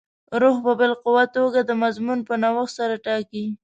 روح په باالقوه توګه د مضمون په نوښت سره ټاکي.